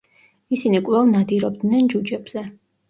ისინი კვლავ ნადირობდნენ ჯუჯებზე.